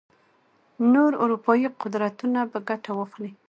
نور اروپايي قدرتونه به ګټه واخلي.